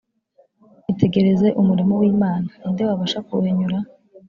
itegereze umurimo w’imana. ni nde wabasha kuwuhinyura